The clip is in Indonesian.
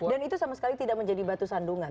dan itu sama sekali tidak menjadi batu sandungan